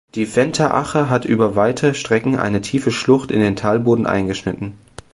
Die Venter Ache hat über weite Strecken eine tiefe Schlucht in den Talboden eingeschnitten.